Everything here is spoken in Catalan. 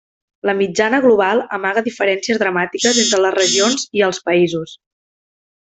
La mitjana global amaga diferències dramàtiques entre les regions i els països.